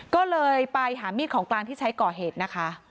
ก็เลยไปหามีดของกลางที่ใช้ก่อเหตุนะคะ